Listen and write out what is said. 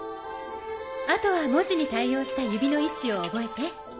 あとは文字に対応した指の位置を覚えて。